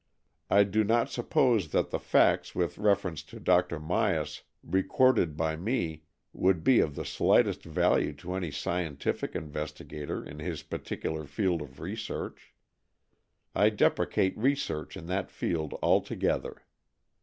I do not suppose that the facts with refer ence to Dr. Myas recorded by me w^ould be of the slightest value to any scientific investigator in his particular field of research. I deprecate research in that field altogether.